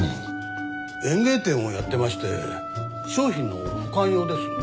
園芸店をやってまして商品の保管用です。